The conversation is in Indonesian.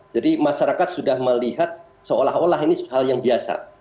jadi masyarakat sudah melihat seolah olah ini hal yang biasa